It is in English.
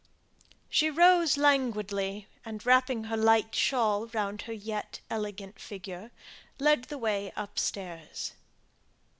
She rose languidly, and wrapping her light shawl round her yet elegant figure, led the way upstairs.